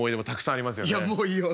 いやもういいわ。